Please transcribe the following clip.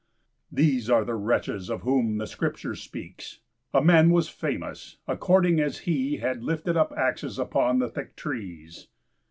These are the wretches of whom the scripture speaks: "A man was famous according as he had lifted up axes upon the thick trees."